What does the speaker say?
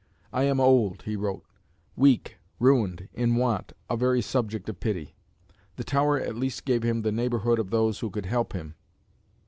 "I am old," he wrote, "weak, ruined, in want, a very subject of pity." The Tower at least gave him the neighbourhood of those who could help him.